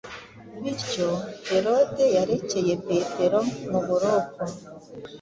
Bityo, Herode yarekeye Petero mu buroko,